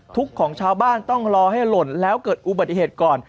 ทุกข์ของชาวบ้านต้องรอให้หล่นแล้วเกิดอุบัติเหตุก่อน